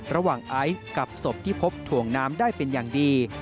ระหว่างไอซ์กับศพที่พบถ่วงน้ำได้เป็นอย่างดี